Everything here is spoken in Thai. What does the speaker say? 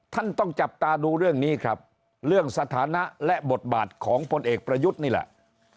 ต้องจับตาดูเรื่องนี้ครับเรื่องสถานะและบทบาทของพลเอกประยุทธ์นี่แหละ